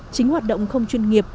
chính hoạt động không chuyên nghiệp